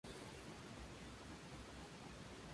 Latino Hardcore Punk Documentary".